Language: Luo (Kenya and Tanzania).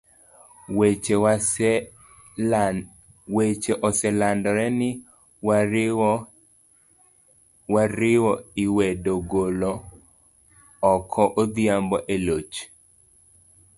Weche oselandore ni wariwo lwedo golo oko Odhiambo e loch.